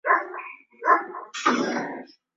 hulisha eneo lote na maelfu ya spishi